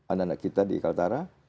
anak anak kita di kaltara